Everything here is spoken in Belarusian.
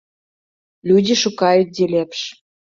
Людзі шукаюць, дзе лепш.